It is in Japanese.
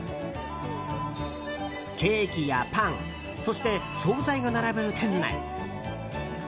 ケーキやパンそして総菜が並ぶ店内。